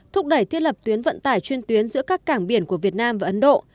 thúc đẩy thiết lập tuyến vận tải chuyên tuyến giữa các cảng biển của việt nam và ấn độ